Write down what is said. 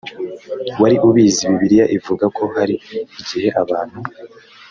wari ubizi bibiliya ivuga ko hari igihe abantu